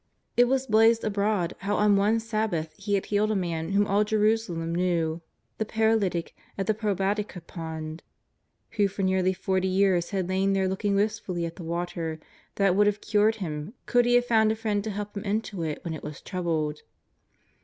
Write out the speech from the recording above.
It was blazed abroad how on one Sabbath He had healed a man whom all Jerusalem knew, the paralytic at the Probatica pond, who for nearly forty years had lain there looking wistfully at the water that would have cured him could he have found a friend to help him into it when it was troubled.